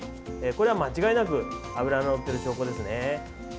これは間違いなく脂ののっている証拠ですね。